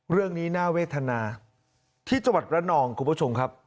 เรื่องนี้น่าเวทนาที่จังหวัดระนองคุณผู้ชมครับ